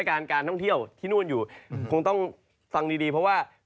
สถานการณ์ท่องเที่ยวคงต้องฟังดีเพราะว่า